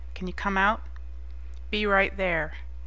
Can you come out?" "Be right there."